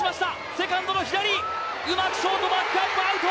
セカンドの左うまくショートバックアップアウト！